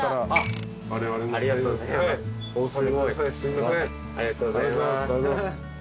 ありがとうございます。